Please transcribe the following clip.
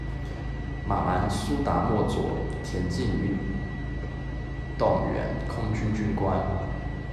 马兰·苏达莫佐田径运动员、空军军官。